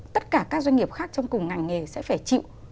tất cả các doanh nghiệp khác trong cùng ngành nghề sẽ phải chịu